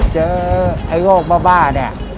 เจอโรคบ้าเนี่ย